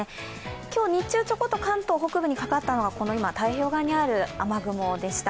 今日、日中ちょこっと関東北部にかかったのが今、太平洋側にある雨雲でした。